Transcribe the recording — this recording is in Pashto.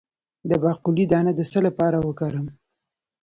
د باقلي دانه د څه لپاره وکاروم؟